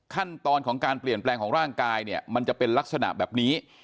ขั้นตอนของการเปลี่ยนแปลงของร่างกายเนี่ยมันจะเป็นลักษณะแบบนี้